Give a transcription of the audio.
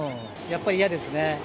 やっぱり嫌ですね。